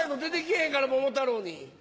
へんから桃太郎に。